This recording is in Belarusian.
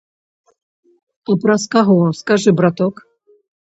А праз каго, скажы, браток?